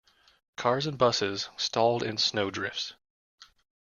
Cars and busses stalled in snow drifts.